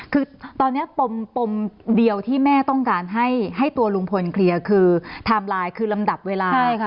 คือตอนนี้ปมเดียวที่แม่ต้องการให้ตัวลุงพลเคลียร์คือไทม์ไลน์คือลำดับเวลาใช่ค่ะ